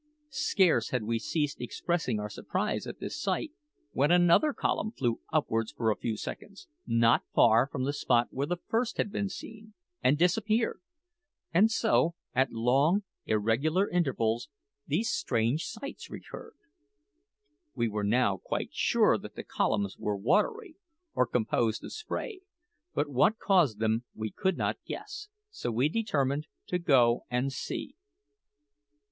Scarce had we ceased expressing our surprise at this sight when another column flew upwards for a few seconds, not far from the spot where the first had been seen, and disappeared; and so, at long, irregular intervals, these strange sights recurred. We were now quite sure that the columns were watery, or composed of spray; but what caused them we could not guess, so we determined to go and see.